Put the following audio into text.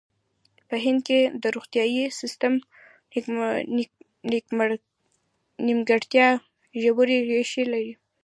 په هند کې د روغتیايي سیستم نیمګړتیا ژورې ریښې لري.